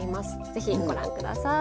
ぜひご覧ください。